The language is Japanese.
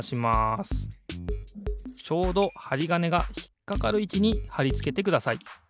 ちょうどはりがねがひっかかるいちにはりつけてください。